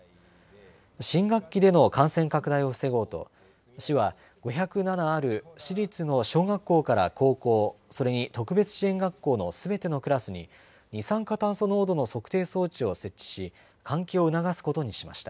新学期での感染拡大を防ごうと、市は５０７ある市立の小学校から高校、それに特別支援学校のすべてのクラスに、二酸化炭素濃度の測定装置を設置し、換気を促すことにしました。